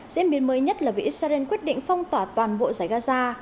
diễn biến mới nhất là vì israel quyết định phong tỏa toàn bộ giải gaza